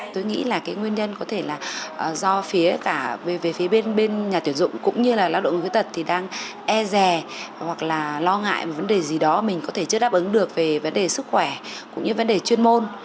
tôi nghĩ là cái nguyên nhân có thể là do phía cả về phía bên nhà tuyển dụng cũng như là lao động người khuyết tật thì đang e rè hoặc là lo ngại về vấn đề gì đó mình có thể chưa đáp ứng được về vấn đề sức khỏe cũng như vấn đề chuyên môn